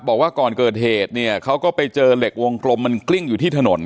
บอกว่าก่อนเกิดเหตุเนี่ยเขาก็ไปเจอเหล็กวงกลมมันกลิ้งอยู่ที่ถนน